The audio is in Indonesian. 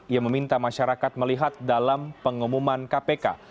ia meminta masyarakat melihat dalam pengumuman kpk